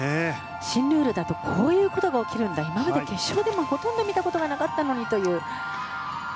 新ルールだとこういうことが起きるんだ今まで決勝でもほとんど見たことがなかったのにという。